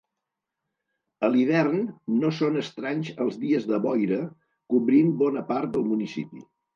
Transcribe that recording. A l'hivern no són estranys els dies de boira cobrint bona part del municipi.